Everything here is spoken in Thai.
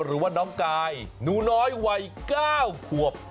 หรือว่าน้องกายหนูน้อยวัย๙ขวบ